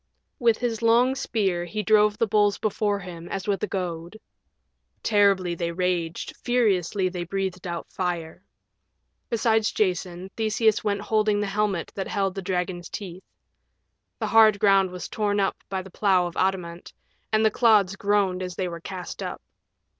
With his long spear he drove the bulls before him as with a goad. Terribly they raged, furiously they breathed out fire. Beside Jason Theseus went holding the helmet that held the dragon's teeth. The hard ground was torn up by the plow of adamant, and the clods groaned as they were cast up.